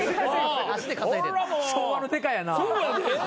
昭和のデカやな。